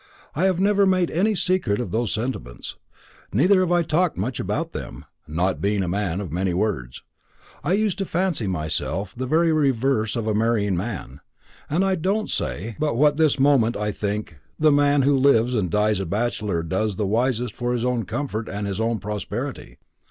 I have never made any secret of those sentiments, neither have I talked much about them, not being a man of many words. I used to fancy myself the very reverse of a marrying man, and I don't say but what at this moment I think the man who lives and dies a bachelor does the wisest for his own comfort and his own prosperity.